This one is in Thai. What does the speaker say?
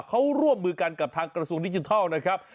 เขาร่วมมือกันกับทางกระทรวงดิจิทัลนะครับ